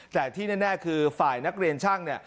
แต่ที่แน่คือฝ่ายนักเรียนช่างเนี่ย